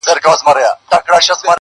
له شپږو مياشتو څه درد ،درد يمه زه.